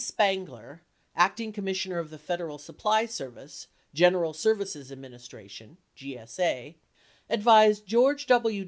Spangler, Acting Commissioner of the Federal Supply Service, General Services Adminis tration (GSA), advised George W.